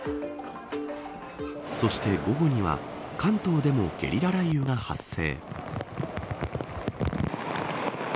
そして午後には関東でもゲリラ雷雨が発生。